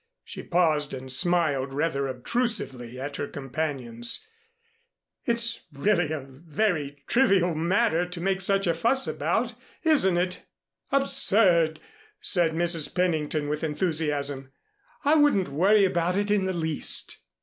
She paused and smiled rather obtrusively at her companions. "It's really a very trivial matter to make such a fuss about, isn't it?" "Absurd!" said Mrs. Pennington, with enthusiasm. "I wouldn't worry about it in the least."